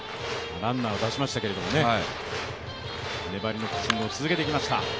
ランナーは出しましたけれども、粘りのピッチングを続けてきました。